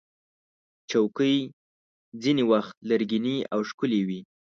چوکۍ ځینې وخت لرګینې او ښکلې وي.